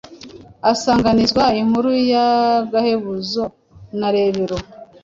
asanganizwa inkuru y’agahebuzo na Rebero,